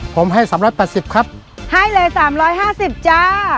ผมให้สามร้อยประสิบครับให้เลยสามร้อยห้าสิบจ้า